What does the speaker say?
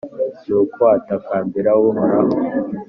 nuko atakambira uhoraho,